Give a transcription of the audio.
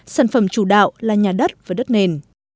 sản phẩm chủ đạo là nhà đất và đất nền